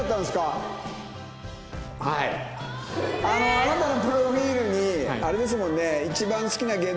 あなたのプロフィルにあれですもんね。